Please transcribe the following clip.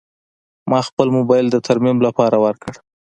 ما خپل موبایل د ترمیم لپاره ورکړ.